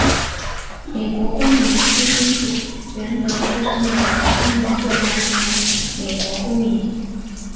美国公民出生地原则出生的人都能自动成为美国公民。